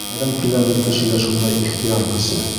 Ҡайҙан киләлер кешегә шундай ихтыяр көсө!